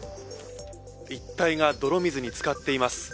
一帯が泥水につかっています。